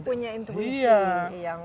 jadi dia punya intuisi yang